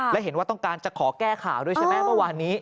และเห็นว่าต้องการจะขอแก้ข่าวด้วยใช่ไหมเมื่อวานนี้